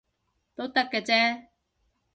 都得嘅啫